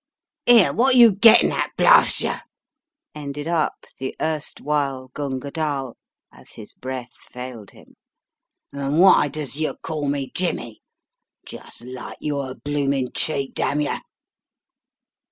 "'Ere what yer gettin' at, blarst yer!" ended up the erstwhile Gunga Dall as his breath failed him. "And why does yer call me Jimmy? Just like yer bloomin' cheek, damn yer!"